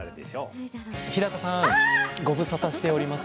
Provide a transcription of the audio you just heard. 日高さんご無沙汰しております。